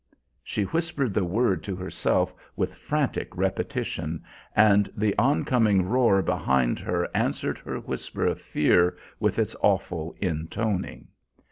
She whispered the word to herself with frantic repetition, and the oncoming roar behind her answered her whisper of fear with its awful intoning.